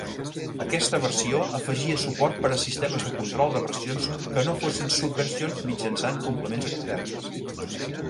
Aquesta versió afegia suport per a sistemes de control de versions que no fossin Subversion mitjançant complements externs.